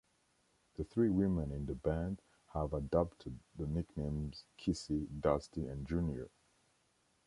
The three women in the band have adopted the nicknames Kissy, Dusty, and Junior.